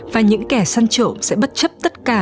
và những kẻ săn trộm sẽ bất chấp tất cả